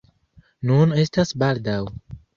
Nun estas baldaŭ!